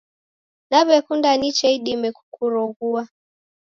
Nawekunda niche idimie kukuroghua.